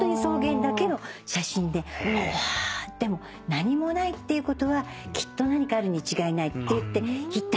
何もないっていうことはきっと何かあるに違いないっていって行ったんです。